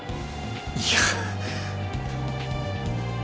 いや。